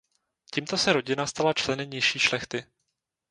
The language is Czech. Tímto se rodina stala členy nižší šlechty.